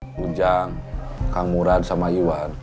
kunjang kang murad sama iwan